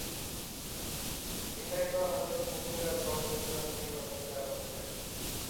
এটাই তো আমাদের পূর্বের আর পরের প্রজন্মের সবাইকে আবদ্ধ রাখে।